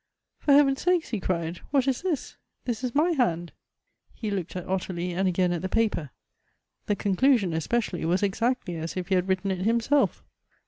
" For heaven's sake," he cried, " what is this ? this is my hand !" He looked at Ottilie, and again at the paper : the conclusion, especially, was exactly as if he had writ ten it himself.